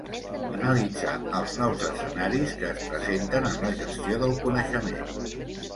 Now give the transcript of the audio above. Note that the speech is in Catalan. Analitzar els nous escenaris que es presenten en la gestió del coneixement.